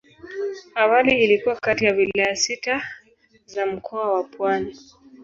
Awali ilikuwa kati ya wilaya sita za Mkoa wa Pwani.